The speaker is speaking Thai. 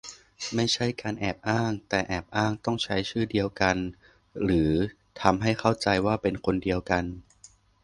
ไม่ใช่การแอบอ้าง - ถ้าแอบอ้างต้องใช้ชื่อเดียวกันหรือทำให้เข้าใจว่าเป็นคนเดียวกัน